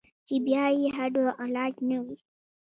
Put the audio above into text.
چې بيا ئې هډو علاج نۀ وي -